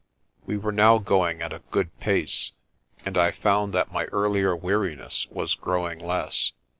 We were now going at a good pace, and I found that my earlier weariness was growing less.